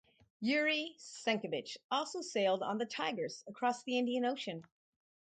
Yuri Senkevich also sailed on the "Tigris" across the Indian Ocean.